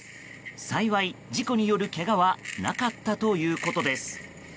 幸い、事故によるけがはなかったということです。